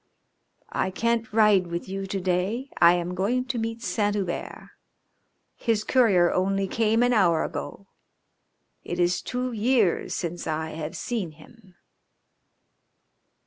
"I can't ride with you to day. I am going to meet Saint Hubert. His courier only came an hour ago. It is two years since I have seen him."